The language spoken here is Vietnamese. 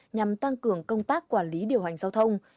nhằm tăng cường công tác quản lý điều hành giao thông